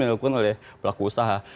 yang dilakukan oleh pelaku usaha